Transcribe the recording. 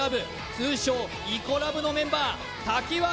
通称イコラブのメンバー瀧脇笙